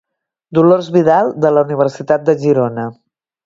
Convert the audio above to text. Dolors Vidal de la Universitat de Girona.